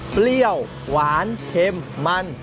เปรี้ยวหวานเค็มมัน